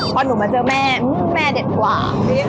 พอหนูมาเจอแม่แม่เด็ดกว่า